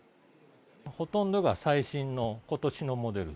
ほとんどが最新のことしのモデル。